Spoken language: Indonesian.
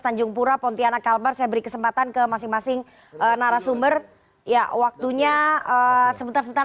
tanjung pura pontianak kalbar saya beri kesempatan ke masing masing narasumber ya waktunya sebentar sebentar